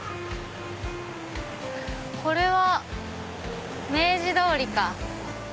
これは明治通りか。